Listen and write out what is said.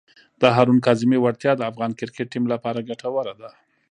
د هارون کاظمي وړتیا د افغان کرکټ ټیم لپاره ګټوره ده.